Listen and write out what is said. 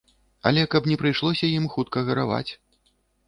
Але каб не прыйшлося ім хутка гараваць.